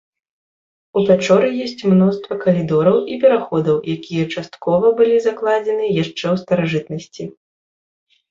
У пячоры ёсць мноства калідораў і пераходаў, якія часткова былі закладзены яшчэ ў старажытнасці.